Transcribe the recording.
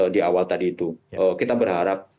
di awal tadi itu kita berharap